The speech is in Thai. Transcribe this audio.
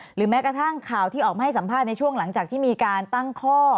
หรือแม้กระทั่งข่าวที่ออกมาให้สัมภาษณ์ในช่วงหลังจากที่มีการตั้งข้อ